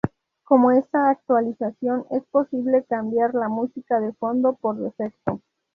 Con esta actualización es posible cambiar la música de fondo por defecto.